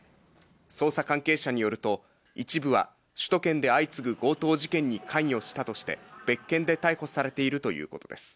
捜査関係者によると、一部は首都圏で相次ぐ強盗事件に関与したとして、別件で逮捕されているということです。